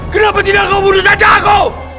kenapa tidak kau bunuh saja aku